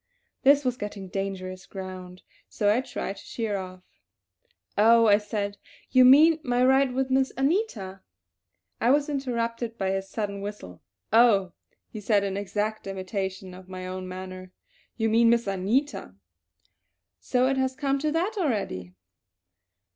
This was getting dangerous ground, so I tried to sheer off. "Oh," I said, "you mean my bike ride with Miss Anita" I was interrupted by his sudden whistle. "Oh," he said in exact imitation of my own manner. "You mean Miss Anita! So it has come to that already!